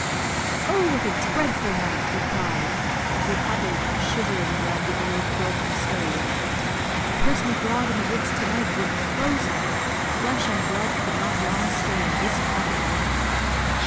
"Oh, what a dreadful night!" we cried, as we huddled, shivering, around the old broken stove. "A person abroad in the woods to night would be frozen. Flesh and blood could not long stand this cutting wind."